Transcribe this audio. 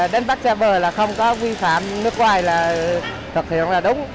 đến bắt ra bờ là không có vi phạm nước ngoài là thực hiện là đúng